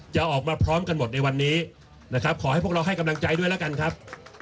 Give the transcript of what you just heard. จะออกมาพร้อมกันหมดในวันนี้นะครับขอให้พวกเราให้กำลังใจด้วยแล้วกันครับ